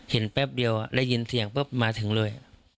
แป๊บเดียวได้ยินเสียงปุ๊บมาถึงเลย